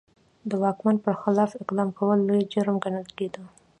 د واکمن پر خلاف اقدام کول لوی جرم ګڼل کېده.